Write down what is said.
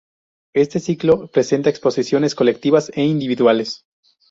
Este ciclo presenta exposiciones colectivas e individuales.